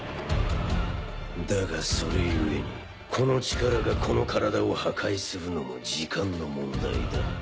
だがそれゆえにこの力がこの体を破壊するのも時間の問題だ。